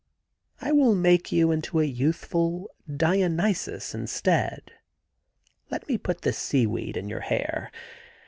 I will make you into a youthful Dionysus instead. Let me put this seaweed in your hair.